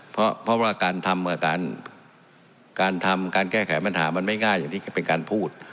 เพราะว่าการทำการแก้แขมันหามันไม่ง่ายอย่างที่เป็นการพูด